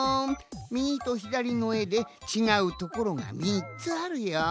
みぎとひだりのえでちがうところが３つあるよ。